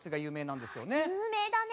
有名だね。